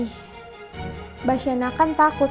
mbak shana kan takut